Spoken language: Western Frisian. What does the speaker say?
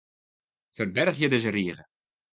Ferbergje dizze rige.